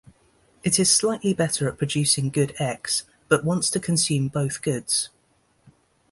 It is slightly better at producing good X, but wants to consume both goods.